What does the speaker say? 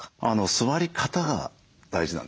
座り方が大事なんですよね。